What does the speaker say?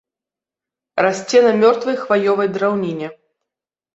Расце на мёртвай хваёвай драўніне.